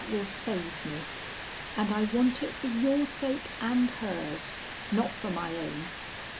That will save me. And I want it for your sake and hers not for my own.